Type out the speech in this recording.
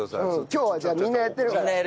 今日はみんなやってるから。